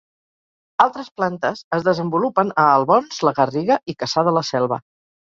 Altres plantes es desenvolupen a Albons, La Garriga i Cassà de la Selva.